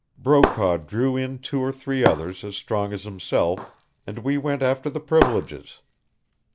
Brokaw drew in two or three others as strong as himself, and we went after the privileges.